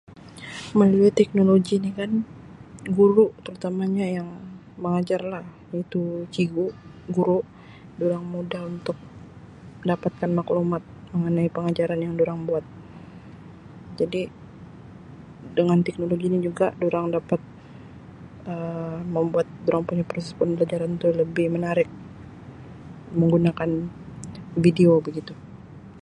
Melalui teknologi ni kan guru terutamanya yang mengajar lah iaitu cigu guru dorang mudah untuk mendapatkan maklumat mengenai pengajaran yang dorang buat jadi dengan teknologi ni juga dorang dapat Um membuat dorang punya proses pembelajaran itu lebih menarik menggunakan video begitu.